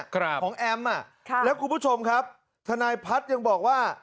ของแอมป์แล้วคุณผู้ชมครับธนายพัดยังบอกว่า